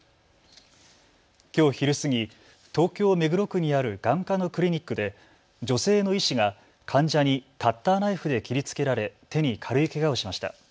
きょう昼過ぎ、東京目黒区にある眼科のクリニックで女性の医師が患者にカッターナイフで切りつけられ手に軽いけがをしました。